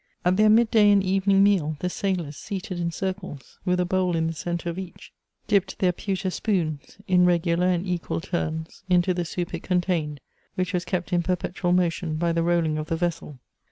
At their mid day and evening meal, the sailors, seated in circles, with a bowl in the centre of each, dipped their pewter spoons, in reg^ar and equal turns, into the soup it contained, which was kept in perpetual motion by the rolling of the vessel.